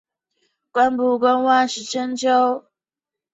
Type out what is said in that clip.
子宝昌。